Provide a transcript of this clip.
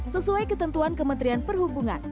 sesuai ketentuan kementerian perhubungan